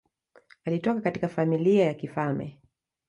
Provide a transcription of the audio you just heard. Alitoka katika familia ya kifalme.